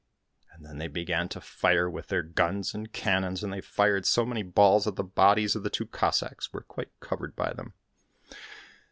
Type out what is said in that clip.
And then they began to fire with their guns and cannons, and they fired so many balls that the bodies of the two Cossacks were quite covered by them.